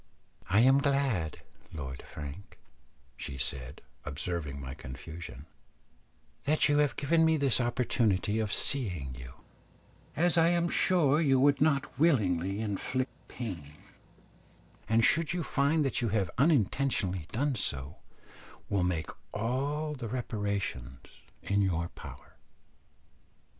"I am glad, Lord Frank," she said, observing my confusion, "that you have given me this opportunity of seeing you, as I am sure you would not willingly inflict pain, and should you find that you have unintentionally done so, will make all the reparation in your power."